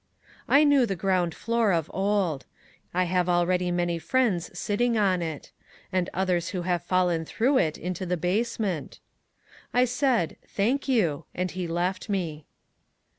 I knew the ground floor of old. I have already many friends sitting on it; and others who have fallen through it into the basement. I said, "thank you," and he left me.